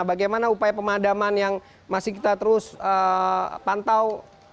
bagaimana upaya pemadaman yang masih kita terus pantau